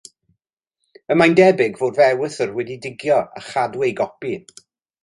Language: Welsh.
Y mae'n debyg fod fy ewythr wedi digio a chadw ei gopi.